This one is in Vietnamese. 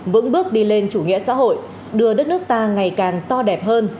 vững bước đi lên chủ nghĩa xã hội đưa đất nước ta ngày càng to đẹp hơn